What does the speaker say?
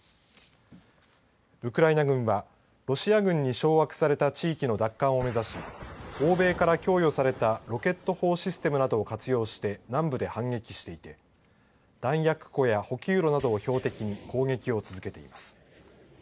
ウクライナ軍はロシア軍に掌握された地域の奪還を目指し欧米から供与されたロケット砲システムなどを活用して南部で反撃していて弾薬庫や補給路などを標的に攻撃を続けています。